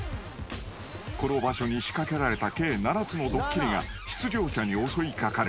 ［この場所に仕掛けられた計７つのドッキリが出場者に襲い掛かる］